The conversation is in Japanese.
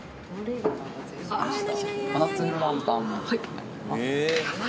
お待たせしました。